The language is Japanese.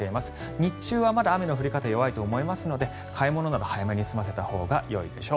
日中はまだ雨の降り方が弱いと思いますので買い物など早めに済ませたほうがよいでしょう。